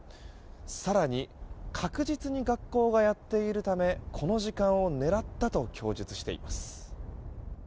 更に確実に学校がやっているためこの時間を狙ったと供述しています。